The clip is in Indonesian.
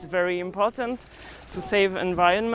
sangat penting untuk menyelamatkan alam